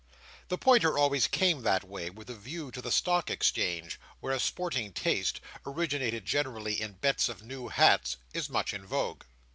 The pointer always came that way, with a view to the Stock Exchange, where a sporting taste (originating generally in bets of new hats) is much in vogue.